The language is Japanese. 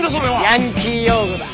ヤンキー用語だ。